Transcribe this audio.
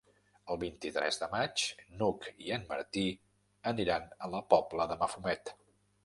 El vint-i-tres de maig n'Hug i en Martí aniran a la Pobla de Mafumet.